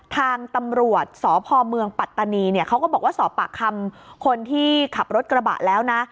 ทางตำรวจสพเมืองปัตตานีเนี่ยเขาก็บอกว่าสอบปากคำคนที่ขับรถกระบะแล้วนะ